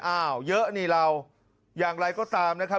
อ้าวเยอะนี่เราอย่างไรก็ตามนะครับ